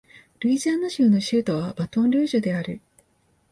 ルイジアナ州の州都はバトンルージュである